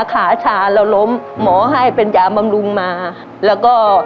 ขาชาเราล้มหมอให้เป็นยาบำรุงมาแล้วก็